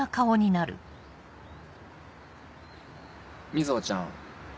瑞穂ちゃん。